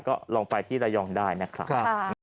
ก็ลองไปที่ระยองได้นะครับ